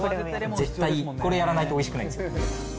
絶対これやらないとおいしくないです。